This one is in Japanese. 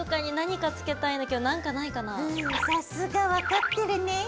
うんさすが分かってるねぇ。